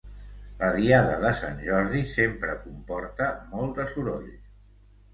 La diada de Sant Jordi sempre comporta molt de soroll.